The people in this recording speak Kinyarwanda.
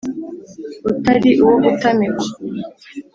utari uwo gutamikwa